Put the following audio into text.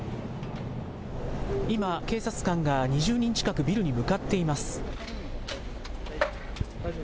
今、警察官が２０人近く、ビルに向かっています。